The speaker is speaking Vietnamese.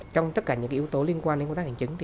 trong tất cả những yếu tố liên quan đến công tác hành chính